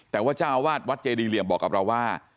แต่ว่าเจ้าอาวาสวัดเจดีเหลี่ยมบอกกับเราว่า